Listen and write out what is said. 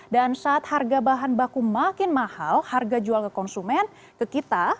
dan saat harga bahan baku makin mahal harga jual ke konsumen ke kita